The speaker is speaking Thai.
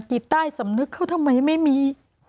จิตใต้สำนึกเขาทำไมไม่มี